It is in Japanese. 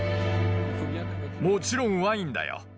もちろんワインだよ。